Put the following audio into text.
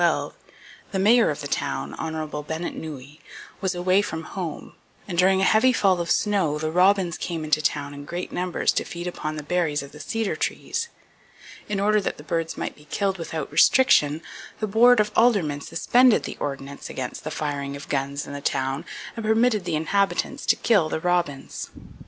The Mayor of the town, Hon. Bennet Nooe, was away from home; and during a heavy fall of snow "the robins came into the town in great numbers to feed upon the berries of the cedar trees. In order that the birds might be killed without restriction, the Board of Aldermen suspended the ordinance against the firing of guns in the town, and permitted the inhabitants to kill the robins."